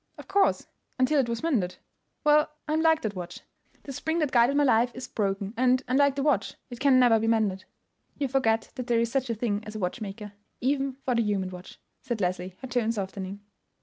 "Of course; until it was mended." "Well, I am like that watch. The spring that guided my life is broken, and, unlike the watch, it can never be mended." "You forget that there is such a thing as a watchmaker; even for the human watch," said Leslie, her tone softening.